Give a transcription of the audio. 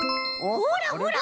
ほらほら！